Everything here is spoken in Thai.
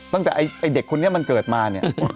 ตั้งแต่เด็กคนนี้มันเกิดมา